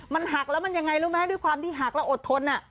มันหักแล้วมันยังไงรู้ไหมด้วยความที่หักแล้วอดทน